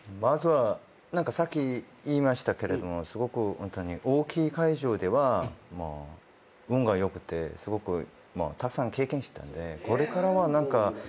さっき言いましたけれどもすごくホントに大きい会場では運が良くてたくさん経験したんでこれからは何か。